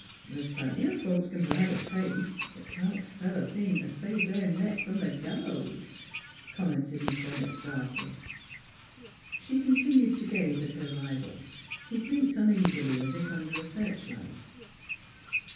' The's plenty o' folks c'n brag o' taste 'at can't fell a seam t' save their necks f'om th' gallows," commented Miss Bennett darkly. 34 NEIGHBORS She continued to gaze at her rival, who blinked uneasily as if under a searchlight.